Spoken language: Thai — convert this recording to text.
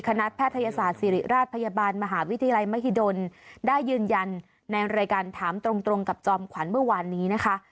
คณะแพทยศาสตร์ศิริราชพยาบาลมหาวิทยาลัยมหิดลได้ยืนยันในรายการถามตรงกับจอมขวัญเมื่อวานนี้นะคะ